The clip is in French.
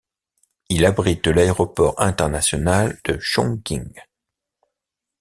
Il abrite l'aéroport international de Chongqing.